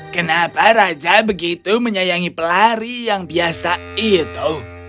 kenapa raja begitu menyayangi pelari yang biasa itu